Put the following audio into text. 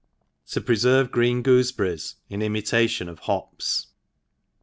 ^opreferve Qr^en Qoosebbrr; E8 in Imitation of Ho? s.